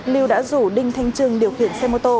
liêu đã rủ đinh thanh trương điều khiển xe mô tô